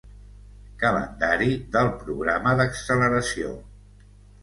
Calendari del programa d'acceleració.